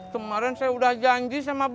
kemarin saya udah janji sama bapak